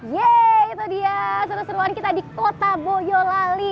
yeay itu dia seru seruan kita di kota boyolali